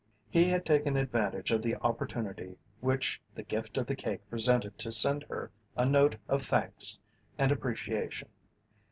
He had taken advantage of the opportunity which the gift of the cake presented to send her a note of thanks and appreciation.